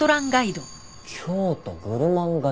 『京都グルマンガイド』？